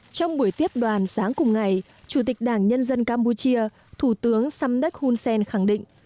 trong buổi tiếp đoàn sáng cùng ngày chủ tịch đảng nhân dân campuchia thủ tướng samdek hun sen khẳng định